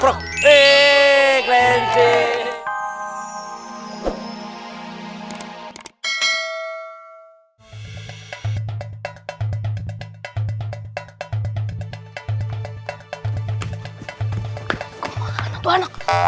hai hei keren sih hai kemana tuan